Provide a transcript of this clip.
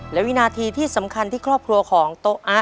และวินาทีที่สำคัญที่ครอบครัวของโต๊ะอะ